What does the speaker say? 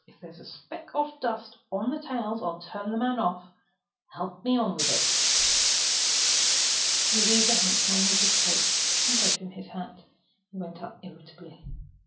If there's a speck of dust on the tails, I'll turn the man off!—Help me on with it." Louisa helped him on with his coat, and gave him his hat. He went out irritably.